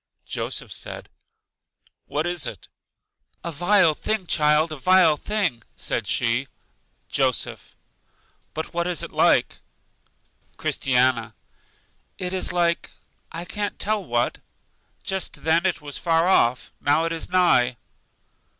Joseph said, What is it? A vile thing, child, a vile thing! said she. Joseph: But what is it like? Christiana: It is like I can't tell what. Just then it was far off, now it is nigh.